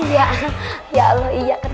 iya ya allah iya ketemu